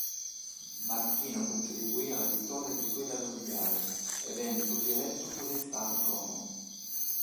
Martino contribuì alla vittoria di quella nobiliare e venne così eletto podestà di Como.